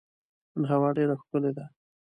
نن هوا ډېره ښکلې ده.